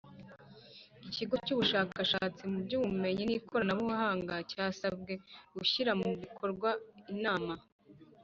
Ikigo cy Ubushakashatsi mu by Ubumenyi n Ikoranabuhanga cyasabwe gushyira mu bikorwa inama